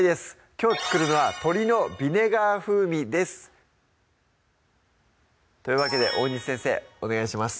きょう作るのは「鶏のヴィネガー風味」ですというわけで大西先生お願いします